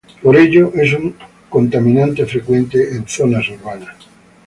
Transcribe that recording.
Por ello es un contaminante frecuente en zonas urbanas.